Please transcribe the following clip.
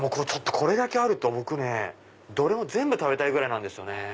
これだけあるとどれも全部食べたいぐらいなんですよね。